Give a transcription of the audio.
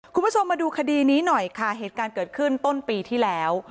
คุณผู้ชมมาดูคดีนี้หน่อยค่ะเหตุการณ์เกิดขึ้นต้นปีที่แล้ว